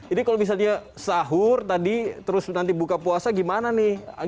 ini kalau misalnya sahur tadi terus nanti buka puasa gimana nih